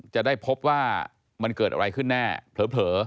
จะได้พบว่ามันเกิดอะไรขึ้นแน่เผลอ